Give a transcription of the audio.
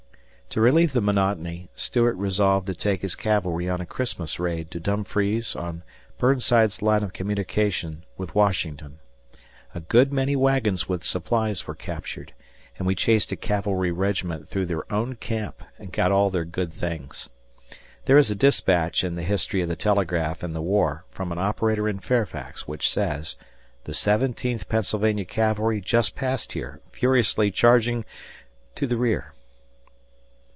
To relieve the monotony Stuart resolved to take his cavalry on a Christmas raid to Dumfries on Burnside's line of communication with Washington. A good many wagons with supplies were captured, and we chased a cavalry regiment through their own camp and got all their good things. There is a dispatch in the history of the telegraph in the war from an operator in Fairfax, which says, "The 17th Pennsylvania Cavalry just passed here, furiously charging to the rear."